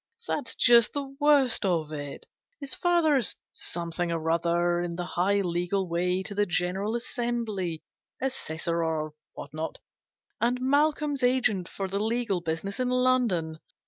" That's just the worst of it. His father's something or other in the high legal way to the General Assembly Assessor, or what not and Malcolm's agent for the legal business in London.